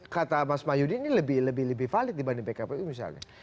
kata mas mayudi ini lebih lebih lebih valid dibanding pkpu misalnya